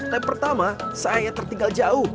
lap pertama saya tertinggal jauh